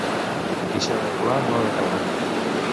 Qui seu en pla no ha de caure.